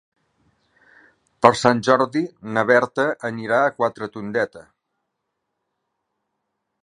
Per Sant Jordi na Berta anirà a Quatretondeta.